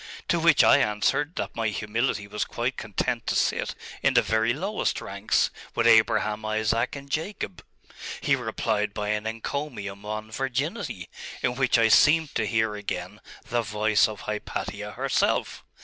To which I answered that my humility was quite content to sit in the very lowest ranks, with Abraham, Isaac, and Jacob.... He replied by an encomium on virginity, in which I seemed to hear again the voice of Hypatia herself.